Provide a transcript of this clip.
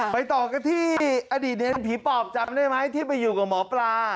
ต่อกันที่อดีตเนรผีปอบจำได้ไหมที่ไปอยู่กับหมอปลา